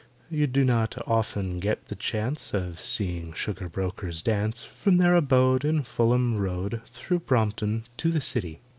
You do not often get the chance Of seeing sugar brokers dance From their abode In Fulham Road Through Brompton to the City.